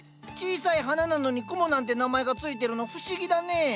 小さい花なのに雲なんて名前が付いてるの不思議だね。